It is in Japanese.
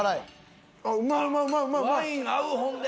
ワイン合うほんで。